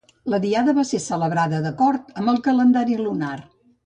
La diada va ser celebrada d'acord amb el calendari lunar.